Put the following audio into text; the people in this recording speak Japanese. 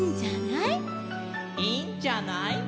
「いいんじゃない」